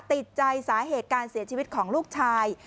ติดใจสาเหตุการเสียชีวิตของลูกชาย